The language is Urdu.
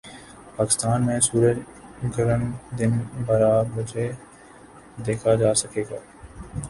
پاکستان میں سورج گرہن دن بارہ بجے دیکھا جا سکے گا